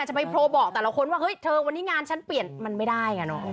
จะไปโพลบอกแต่ละคนว่าเฮ้ยเธอวันนี้งานฉันเปลี่ยนมันไม่ได้อ่ะเนอะ